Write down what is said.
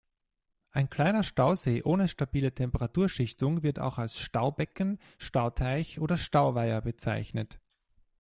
Ein kleiner Stausee ohne stabile Temperaturschichtung wird auch als "Staubecken, Stauteich" oder "Stauweiher" bezeichnet.